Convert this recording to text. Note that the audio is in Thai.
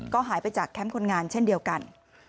ก็หายไปจากแคมป์คนงานเช่นเดียวกัน